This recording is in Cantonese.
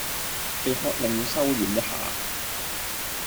被喝令要收歛一下